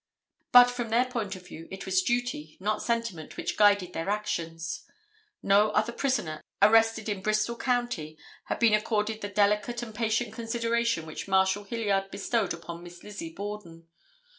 But from their point of view it was duty, not sentiment which guided their actions. No other prisoner arrested in Bristol county had been accorded the delicate and patient consideration which Marshal Hilliard bestowed upon Miss Lizzie Borden.